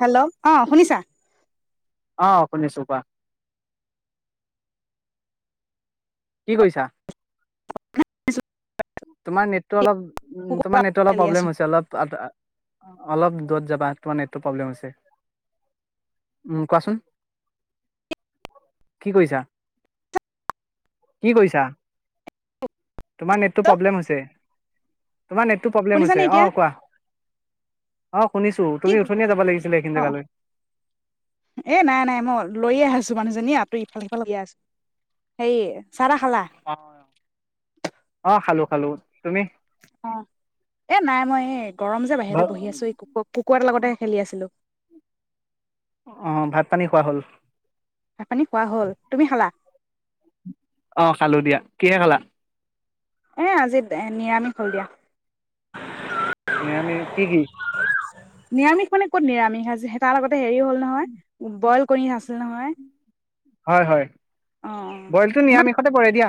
Hello অ শুনিছা। অ শুনিছো কোৱা। কি কৰিছা। তোমাৰ নেটটো অলপ। উম কুকুৰা তোমাৰ নেট অলপ মেলি আছো প্ৰব্লেম হৈছে অলপ। অলপ দূৰত যাবা তোমাৰ নেটটো প্ৰব্লেম হৈছে উম কোৱাচোন কি কৰিছা কি কৰিছা তোমাৰ নেট নেটো প্ৰব্লেম হৈছে। তোমাৰ নেটটো প্ৰব্লেম শুনিছানে আছে এতিয়া অ' কোৱা। অ শুনিছো কি তুমি ক উথনিয়ে যাব লাগিছিলে এইখিনি অ' জেগালৈ এ নাই নাই মই লৈয়ে আছো মানুহজনী আ ত ইফালে সিফালৈাই আছো সেইে অ' অ' অ' খালো। [inaudible] অ' এ নাই মই এই গৰম যে ভ বাহিৰতে বহি আছো এই কুু কুকুৰৰা এ লগতে খেলি আছিলোঁ। অ' ভাত পানী খোৱা হ'ল? পানী খোৱা হ'ল তুমি খালা? অ' খালো দিয়া। কিহেৰে খালা? এ আজি নিৰামিষ হল দিয়া। নিৰামিষ কি কি? নিৰামিষ মানে ক'ত নিৰামিষ আজি তাৰ লগত হেৰি হ'ল নহয় বই ক আছিল নহয় হয় হয় অ অ বইলটো ইমান নিৰামিষতে পৰে দিয়া।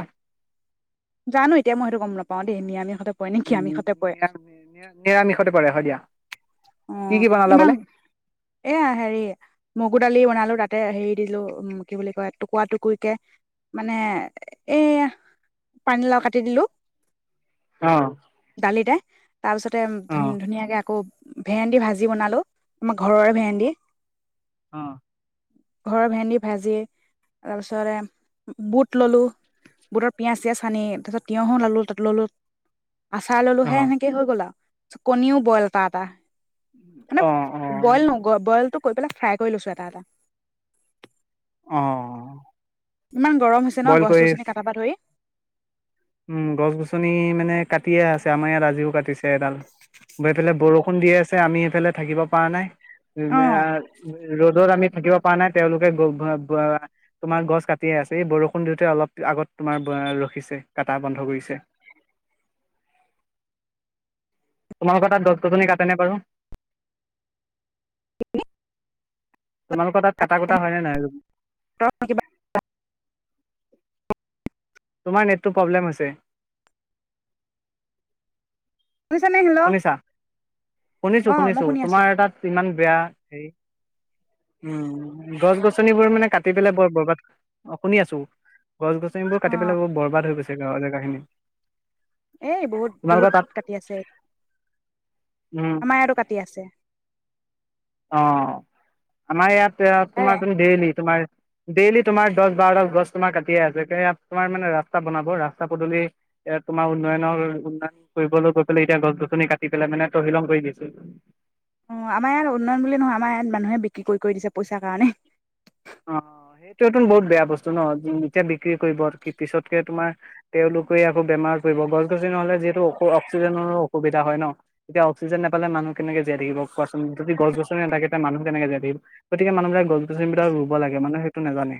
জানো এতিয়া মই সেইটো গম নাপাওঁ দেই নিয়মিষতে উ নিৰামিষতে পৰে হয় দিয়া। কি অ' কি বনালা ইমান বোলে এয়া হেৰি মোক মোগোডালি বনালো তাতে হেৰি দিলো কি বুলি কয় টুকুৰা টুকুৰিকে মানে এই পানীলাও কাটি দিলোঁ। অ ডালিৰে তাৰ পিছতে অ ধুন ধুনীয়াকে আকৌ ভেন্দি ভাজি বনালো আমাৰ ঘৰৰে ভন্দি অ ঘৰৰ ভেন্দি ভাজি তাৰপিছতে বুট ললো বুটৰ পিয়ঁজ চিয়য়াজ সানি তাৰপিছত তিয়হো লালো তাত ললো। আচাৰ অ', ললোহে এেনেকে হৈ গ'ল আৰু। কণীও বইল এটা এটা। মানে অ', অ', বইল ন বলটো [unintelligible] অ'। গৰম হৈছে ন বইল গছ কৰি, ‌ গছনি কটাৰ পৰা ধৰি উম গছ গছনি মানে কাটি কাটিয়ে আছে আমাৰ ইয়াত আজিও কাটিছে এডাল এইফালে বৰষুণ দিয়ে আছে আমি সেইফালে থাকিব পৰা নাই। অ দে আৰ ৰ'দত আমি থাকিব পৰা নাই তেওঁলোকে তোমাৰ গছ কাটি আছে বৰষুণ সন্দতে অলপ আগত তোমাৰ ৰখিছে কাটা বন্ধ কৰিছে। তোমালোকৰ তাত গছ গছনি কাটেনে বাৰু? তোমালোকৰ তাত কটা কুটা হয়নে নহয় আৰু তই কিবা তোমাৰ নেটটো প্ৰব্লেম হৈছে। শুনিছানে হেল্ল' শুনিছা শুনিছো অ মই শুনিছো শুনি আছো তোমাৰ এ তাত ইমান বেয়া হেৰি। উম গছ গছনিবোৰ মানে কাটি পেলাই বৰ বৰবাদ অ শুনি আছো। গছ গছনিবোৰ অ কাটি পেলাই বৰ বৰবাদ হৈ গৈছে। গাৱলীয়া কাহিনী এ বহুত বহুত কাটি আছে। উম আমাৰ ইয়াতো কাটি আছে। অঁ আমাৰ ইয়াত। ইয়াত এ তোমাৰ তুমি দেইলি তোমাৰ। দেইলি তোমাৰ দহ বাৰ ডাল গছ কাটিয়ে আছে তোমাৰ মানে ৰাস্তা বনাব ৰাস্তা পদূলি এ তোমাৰ উন্নয়নৰ উন্নয়ন কৰিবলৈ গৈ পেলাই এতিয়া গছ গছনি কাটি পেলাই মানে তহিলং কৰি দিছ। অ আমাৰ ইয়াত উন্নয়ন বুলি নহয় আমাৰ ইয়াত মানুহে বিক্ৰী কৰি কৰি দিছে পইচাৰ কাৰণে অ সেইটো‌য়েতো বহুত বেয়া বস্তু ন এতিয়া বিক্ৰী কৰিব পিছতকে তোমাৰ তেওঁলোকে আকৌ বেমাৰত পৰিব গছ গছনি নহলে যিহেতু অক্সিজেনৰো অসুবিধা হয় ন এতিয়া অক্সিজেন নাপালে মানুহ কেনেকে জীয়াই থাকিব কোৱাচোন যদি গছ গছনি নথাকে তেতিয়া মানুহ কেনেকে জীয়াই থাকিব গতিকে মানুহবিলাক গছ গছনিবিলাক ৰু ব লাগে মানুহে সেইটো নাজানে।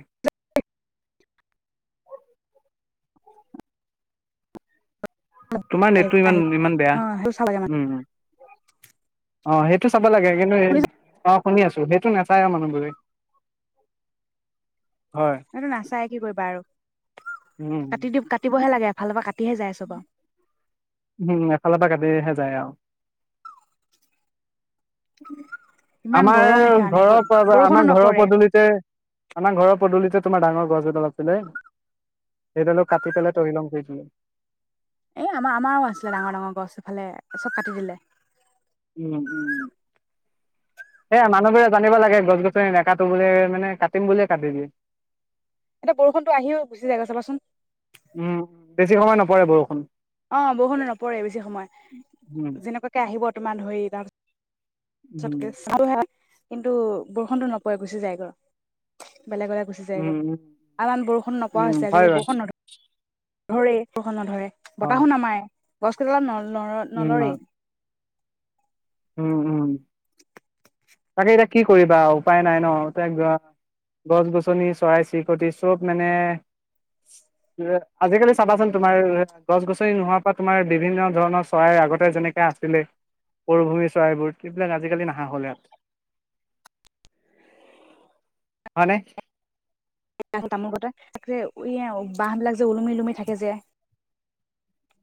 তোমাৰ নেটটো ইমান আহি ইমান বেয়া অ সেইটো চাব লাগে মানে উম অ সেইটো চাব লাগে কিন্তু সেই শুনি আছো সেইটো নাচাই আৰু মানুহ বোৰে এইটো নাচায় কি কৰিবা আৰু উম। কাটি দিও কাটিবহে লাগে। এফালৰ পৰা কাত উম এফাল পৰা কতি যায় আও। ইমান আমাৰ গৰম সেইকাৰণে ব ঘৰৰ বৰষুণো আমাৰ ঘৰৰ নপৰে পদূলিতে আমাৰ ঘৰৰ পদূলিতে তোমাৰ ডাঙৰ গছ এডাল আছিলে সেইডালো কাটি পেলাই তহিলং কৰি দিলে। এই আমাৰ আমাৰো আছিলে ডাঙৰ ডাঙৰ গছ এইফালে চব কাটি দিলে। উম উম সেয়া মানুহবোৰে জানিব লাগে গছ গছনি নাকাটো বুলি মানে কাটিম বুলিয়ে কাটি দিয়ে। এতিয়া বৰষুণতো আহিও গুচি যায়গৈ চাবাচোন। উম বেছি সময় নপৰে বৰষুণ। অ বৰষুণ নপৰে বেছি সময় উম যেনেকোৱাকে আহিব। ইমান ধৰি [unintelligible] কিন্তু বৰষুণটো নপৰে গুচি যায়গৈ। বেলেগলে গুচি যায়গৈ উম আৰু ইমান বৰষুণ নপৰা উম হৈছে হয় আজিকালি বাৰু বৰষুণ নধৰে। ধৰে বৰষুণ নধৰে হয় বতাহো নামাই গছ কেডালো ন উম নলৰে উম উম তাকে এতিয়া কি কৰিবা উপায় নাই ন তাই গছ গছনি চৰাই চিৰিকটি চব মানে আজিকালি চাবাচোন তোমাৰ গছ গছনি নোহোৱাৰ পৰা তোমাৰ বিভিন্ন ধৰণৰ চৰাইৰ আগতে যেনেকে আছিলে মৰুভূমি চৰাইবোৰ এইবিলাক আজিকালি নহা হ'ল ইয়াত হয়নে তামোলতে তাক এ বাঁহ বিলাক যে ওলুমি ওলুমি থাকে যে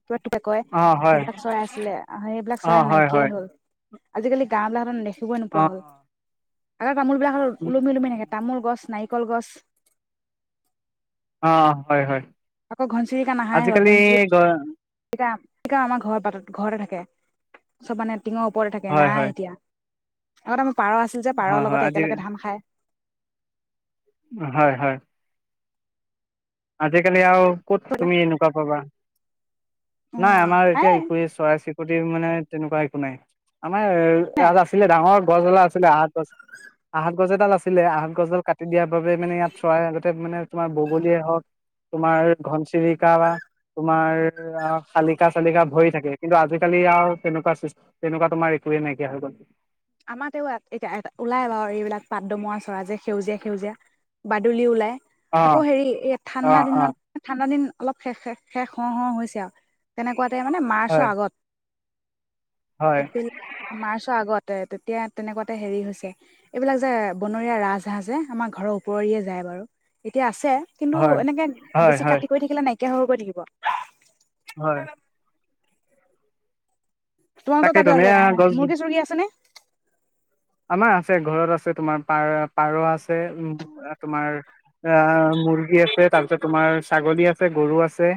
কিব তোকে কয় অঁ হয় সেইবিলাক চৰাই আছিলে সেইবিলাক অঁ চৰাই হয় নাইকিয়াই হয় হল আজিকালি গাঁও বিলাকত ও নেদে চব নোপোৱা অঁ হ'ল আগৰ তামোল বিলাকত ওলমি ওলমি থাকে তামোল গছ নাই কলগছ অঁ হয় হয় আকৌ ঘনচুৰিকা নাহাই হ'ল আজিকালি ঘনচিৰি গ শা আমাৰ ঘ বাট ঘৰতে থাকে চব মানে টিঙৰ ওপৰতে থাকে হয় হয় নাই এতিয়া আগতে আমাৰ পাৰ আছিল যে পাৰৰ হয় হয় লগত আজি একেলগে ধান খায় হয় হয় আজিকালি আৰু ক'ত তুমি এনেকুৱা পাবা অ নাই আমাৰ এতিয়া খায় একোৱে চৰাই চিৰিকটি প্ৰতি মানে তেনেকুৱা একো নাই আমাৰ এ ইয়াত আছিলে ডাঙৰ গছ এডাল আছিলে আহত গছ আহত গছ এডাল আছিলে আহত গছডাল কাটি দিয়া ব মানে ইয়াত চৰাই আগতে মানে তোমাৰ বগলীয়ে হওঁক তোমাৰ ঘনচিৰিকা বা তোমাৰ শালিকা চালিকা ভয় থাকে কিন্তু আজিকালি আৰু তেনেকুৱা তেনেকুৱা তোমাৰ একোৱে নাইকিয়া হৈ গল আমাৰতেওঁ এতিয়া ওলাই বাৰু এইবিলাক পাতদমৰা চৰা যে সেউজীয়া সেউজীয়া বাদুলি ওলাই অ আকৌ হেৰি এই অ ঠাণ্ডা অ দিনত ঠাণ্ডা দিন অলপ শেষ শেষ হ হ হৈছে আৰু তেনেকুৱা তে মানে হয় মাৰ্চৰ আগত হয় এপ্ৰিল মাৰ্চৰ আগত তেতিয়া তেনেকুৱাতে হেৰি হৈছে এইবিলাক যে বনৰীয়া ৰাজহাঁহ যে আমাৰ ঘৰৰ ওপৰিয়ে যায় বাৰু এতিয়া আ কিন্তু হয় এনেকৈ হয় বেছি হয় কাটি কৰি থাকিলে নাইকিয়া হক কৈ থাকিব হয়। তোমালোকৰ তাকেই তাতে তেনে যে গছ মুৰ্গী সূৰ্গী আছে নে! আমাৰ আছে ঘৰত আছে তোমাৰ পাৰ পাৰ আছে, তোমাৰ আহ মুৰ্গী আছে তাৰপিছত তোমাৰ ছাগলী আছে, গৰু আছে।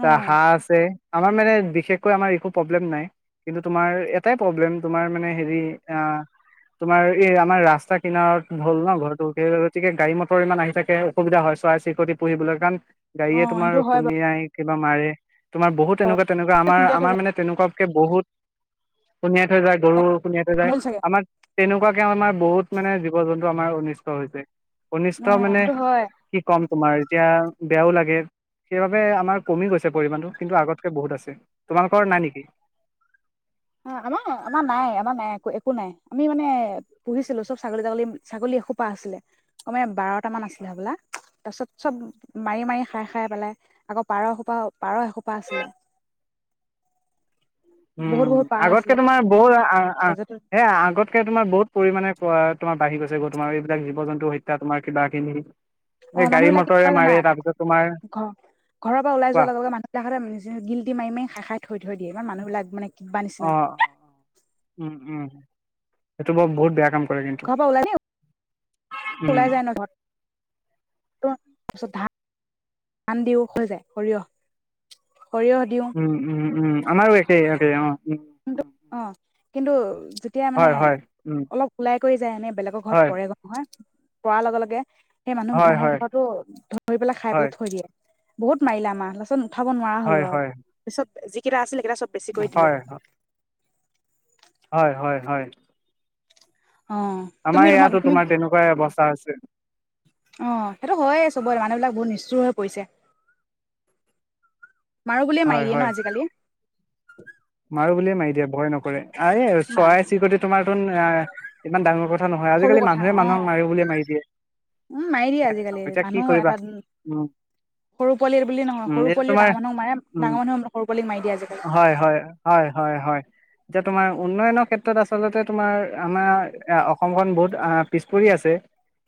অ তা হাঁহ আছে। আমাৰ মানে বিশেষকৈ আমাৰ একো প্ৰব্লেম নাই। কিন্তু তোমাৰ এটাই প্ৰব্লেম তোমাৰ মানে হেৰি আ তোমাৰ এই আমাৰ ৰাস্তা কিনাৰত হ'ল ন ঘৰতো সেই গতিকে গাড়ী মটৰ ইমান আহি থাকে অসুবিধা হয় চৰাই চিৰিতি পুহিবলৈ কাণ অ গাড়ীয়ে তোমাৰ সেইটো হয় শুণাই বা মাৰে। তোমাৰ বহুত তেনেকুৱা তেনেকুৱা বাৰু আমাৰ খুন্দিয়ালৈ আমাৰ যায় মানে তেনেকুৱাকে বহুত সোনিয়াই থৈ যায় গৰু। খুন্দিয়াই থৈ যায়। মূল চাগে আমাক তেনেকুৱাকে আমাৰ বহুত মানে জীৱ জন্তু আমাৰ অনিষ্ট হৈছে। অ অনিষ্ঠ মানে সেইটো হয় কি কম তোমাৰ এতিয়া বেয়াও লাগে সেইবাবে আমাৰ কমি গৈছে পৰিমানটো কিন্তু আগতকে বহুত আছে তোমালোকৰ নাই নেকি আ আমাও আমাৰ নাই আমাৰ নাই একো একো নাই আমি মানে পুহিছিলো চব ছাগলী ছাগলী ছাগলী এসোপা আছিলে কমে বাৰটা মান আছিলে হ'বলা তাৰপিছত চব মাৰি মাৰি খাই খাই পেলাই আকৌ পাৰ এসোপা পাৰ এসোপা আছিলে বহুত উম বহুত পাৰ আছিলে আগতকে তোমাৰ ব হৌৰা আ আ যত সে আগতকে তোমাৰ বহুত পৰিমাণে কোৱা তোমাৰ বাহি গৈছে গ তোমাৰ এইবিলাক জীৱ জন্তুৰ হত্যা তোমাৰ কিবা খিনি অ মানুহ বিলাক কি কয় জানা তোমাৰ ঘৰ ঘৰৰ পৰা ওলাই কোৱা যোৱাৰ লগে মানুহ বিলাকহতে নিজে গিলটি মাৰি মাৰি খাই খাই থৈ থৈ দিয়ে ইমান মানুহ বিলাক মানে কিবা অ', নিচিনা অ', উম উম সেইটো বৰ বহুত বেয়া কাম কৰে কিন্তু ঘৰ পৰা ওলাই উম, ওলাই যায় ন ঘৰত ধান দিও হৈ যায় সৰিয়হ সৰিয়হ দিওঁ উম উম উম আমাৰো একেই একেই অ উম, কিন্তু অ কিন্তু- যেতিয়া মানে হয়, হয়, উম, অলপ ওলাই কৰি যায় এনে বেলেগৰ ঘৰত হয়, পৰেগ নহয় পৰা লগে লগে সেই মানুহ হয়, মানুহ হয়, ঘৰৰতটো ধৰি পেলাই খাই পেলাই হয়, থৈ দিয়ে বহুত মাৰিলা আমাহ লাচ ন পঠাব নোৱাৰা হ'লো হয়, আৰু হয়, পিছত যিকেইা আছিলে এইেকেটা চব বেছি কৰি দিলো হয়, হয়, [unintelligible] অ তুমি আমাৰ ইয়াতো তুমি তোমাৰ তেনেকুৱাই অৱস্থা হৈছে মানুহবিলাক বহুত নিষ্ঠুৰ হৈ পৰিছে মাৰোঁ বুলিয়ে হয়, মাৰি দিয়ে হয়। ন আজিকালি মাৰো বুলিয়ে মাৰি দিয়ে ভয় নকৰে আহে আৰু মা চৰাই চিৰিকটি তোমাৰ আ ইমান ডাঙৰ ক সৰু কথা অ উম্ মাৰি দিয়ে ন আজিকালি এতিয়া কি মানুহ কৰিবা এটা উম সৰু পোৱালিয়ে বুলিয়ে নহয় উম সৰু এইটো পোৱালিও তোমাৰ ডাঙৰ মানুহক মাৰে উম ডাঙৰ মানুহেও সৰু পোৱালিক মাৰি দিয়ে আজিকালি হয় হয় হয় হয় হয় এতিয়া তোমাৰ উন্নয়নৰ ক্ষেত্ৰত আচলতে তোমাৰ আমাৰ অসমখন বহুত পিছ পৰি আছে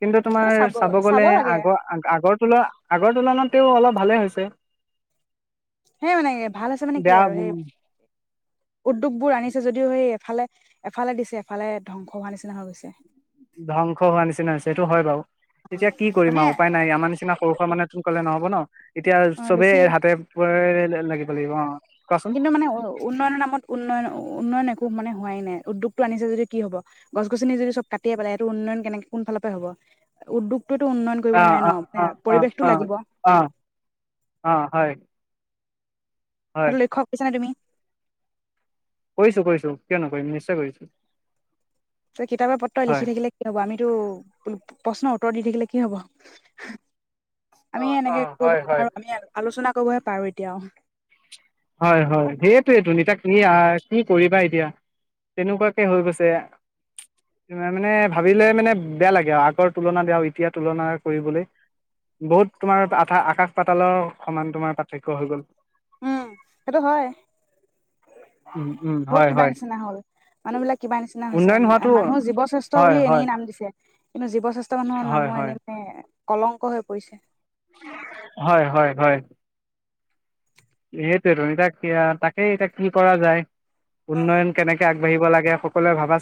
কিন্তু তোমাৰ চাব গ'লে আগৰ আগৰ তুল আগৰ তুলনাত তেও অলপ ভালে হৈছে এনেই মানে ভাল হৈছে মানে কি আৰু সেই বেয়া উদ্যোগ বোৰ আনিছে যদিও সেই এফালে এফালে দিছে এফালে ধ্বংস হোৱা নিচিনা হৈ গৈছে ধ্বংস হোৱা নিচিনা হৈছে সেইটো হয় বাৰু এতিয়া কি কৰিম মানে আৰু উপায় নাই আমাৰ নিচিনা সৰু সৰা মানুহে তো কলে নহ'ব ন এতিয়া অ' চবেই বেছি হাতে পৰে লাগিব লাগিব অ কোৱাচোন কিন্তু মানে উ উন্নয়নৰ নামত উন্নয়ন উন্নয়ন একো কো মানে হোৱাই নাই উদ্যোগটো আনিছে যদি কি হব গছ গছনি যদি চব কাটিয়েই পেলাই সেইটো উন্নয়ন কেনেকে কোন ফালৰ হ'ব উদ্যোগ অ অ অ অ অ লাগিব অ অ হয় হয় সেইটো লক্ষ্য কৰিছানে তুমি কৰিছো কৰিছো কিয় নকৰিম নিশ্চয় কৰিছো ত কিতাপে পত্ৰ‌ই হয় লিখি থাকিলে কি হব আমিতো প্ৰশ্নৰ উত্তৰ দি থাকিলে কি হ'ব অ আমি অ এনেকে একো হয় কৰিব হয় নোৱাৰো আমি আলোচনা কৰিবহে পাৰো এতিয়াও হয় হয় সেইটোৱেই তো, যেতিয়া কেৰিয়াৰ কি কৰিবা এতিয়া তেনেকুৱাকে হৈ গৈছে মানে ভাবিলে মানে বেয়া লাগে আৰু আগৰ তুলনা আৰু এতিয়া তুলনা কৰিবলৈ বহুত তোমাৰ আকা আকাশ পাতালৰ সমান তোমাৰ পাৰ্থক্য হৈ গল। উম সেইটো হয়। উম উম বহুত হয় কিবা হয় নিচিনা হল, মানুহ বিলাক কিবা নিচিনা হৈছে, উন্নয়ন হোৱাটো মানুহ জীৱশ্ৰেষ্ঠ হয় বুলি এনেই হয় নাম দিছে কিন্তু জীৱশ্ৰেষ্ঠ মানুহৰ হয় নামো এনে মানে কলংক হৈ পৰিছে। হয়-হয়-হয়। সেইটোৱে 'তু' এতিয়া তাকেই এতিয়া কি কৰা যায়! অ উন্নয়ন কেনেকে আগবাঢ়িব লাগে সকলোৱে ভাবা